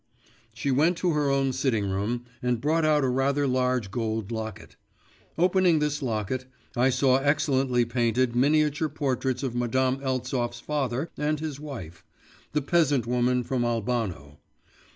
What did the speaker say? She went to her own sitting room, and brought out a rather large gold locket. Opening this locket, I saw excellently painted miniature portraits of Madame Eltsov's father and his wife the peasant woman from Albano.